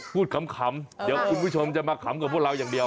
ขำเดี๋ยวคุณผู้ชมจะมาขำกับพวกเราอย่างเดียว